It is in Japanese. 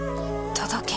届け。